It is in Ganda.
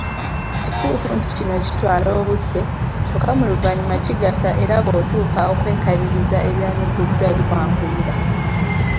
Kituufu nti kino kitwala obudde kyokka mu luvannyuma kigasa era bw’otuuka okwekaliriza ebyanukuddwa bikwanguyira.